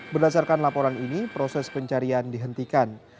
berdasarkan laporan ini proses pencarian dihentikan